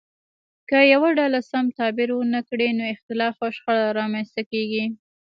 که یوه ډله سم تعبیر ونه کړي نو اختلاف او شخړه رامنځته کیږي.